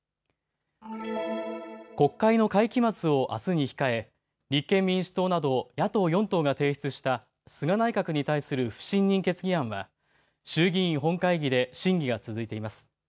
国会の会期末をあすに控え立憲民主党など野党４党が提出した菅内閣に対する不信任決議案は衆議院本会議で審議が続いています。